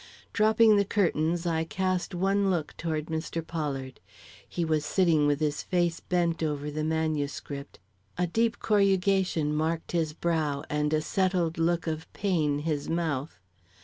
Dropping the curtains, I cast one look, toward Mr. Pollard. He was sitting with his face bent over the manuscript, a deep corrugation marked his brow, and a settled look of pain his mouth.